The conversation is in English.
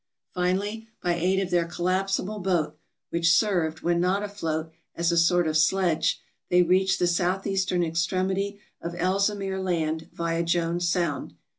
Finally, by aid of their collapsible boat — which served, when not afloat, as a sort of sledge — they reached the southeastern extremity of Ellesmere Land via Jones Sound.